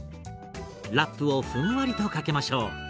ラップをふんわりとかけましょう。